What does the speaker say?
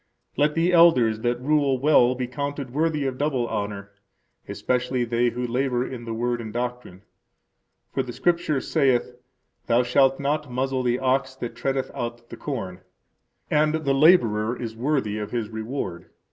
Let the elders that rule well be counted worthy of double honor, especially they who labor in the Word and doctrine. For the Scripture saith, Thou shalt not muzzle the ox that treadeth out the corn; and the laborer is worthy of his reward.